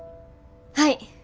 はい。